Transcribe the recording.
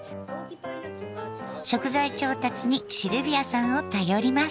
食材調達にシルビアさんを頼ります。